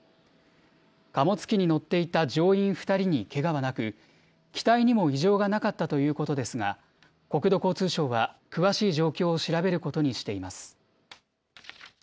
貨物機に乗っていた乗員２人にけがはなく機体にも異常がなかったということですが国土交通省は詳しい状況を調べることにしています。